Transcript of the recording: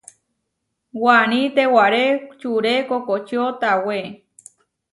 Waní tewaré čure kokočió tawé.